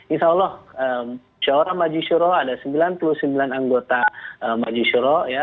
insya allah seorang maju syuroh ada sembilan puluh sembilan anggota maju syuroh ya